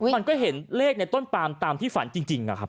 มันก็เห็นเลขในต้นปามตามที่ฝันจริงนะครับ